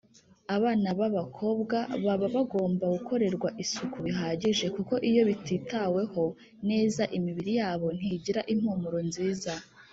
Abana babakobwa baba bagomba gukorerwa isuku bihagije kuko iyo batitaweho neza imibiri yabo ntigira impumuro nziza.